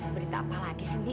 berita apa lagi sih ndi